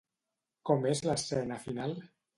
Com és l'escena final?